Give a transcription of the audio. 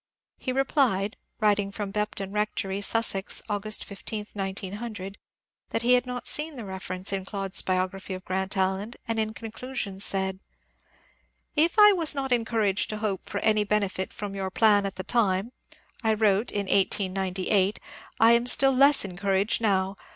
He replied (writing from Bepton Rectory, Sussex, August 15, 1900), that he had not seen the refer ence in Clodd's biography of Grant Allen, and in conclusion said: — If I was not encouraged to hope for any benefit from your plan at the time I wrote (in 1898) I am still less encouraged now.